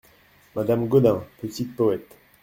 Madame Gaudin Petite poète !